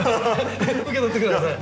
受け取って下さい。